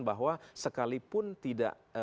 bahwa sekalipun tidak